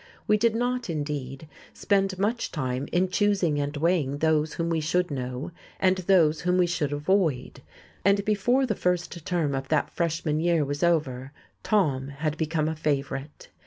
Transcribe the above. We did not, indeed, spend much time in choosing and weighing those whom we should know and those whom we should avoid; and before the first term of that Freshman year was over Tom had become a favourite.